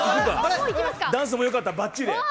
ダンスもよかった、ばっちり。